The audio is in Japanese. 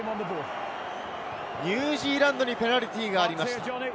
ニュージーランドにペナルティーがありました。